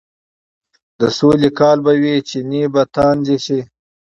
د سولې کال به وي، چينې به تاندې شي،